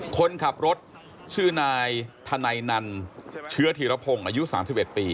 คนขับรถชื่อนายธนัยนันเชื้อธีรพงศ์อายุ๓๑ปี